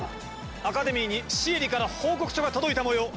アカデミーにシエリから報告書が届いたもよう！